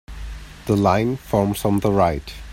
The line forms on the right.